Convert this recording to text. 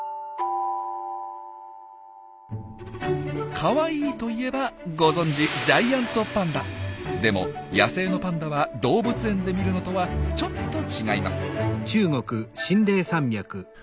かわいいといえばご存じでも野生のパンダは動物園で見るのとはちょっと違います。